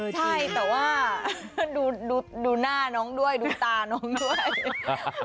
ใช่แต่ว่าดูหน้าน้องด้วยดูตาน้องด้วย